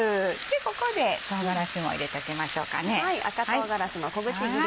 ここで唐辛子も入れときましょうかね。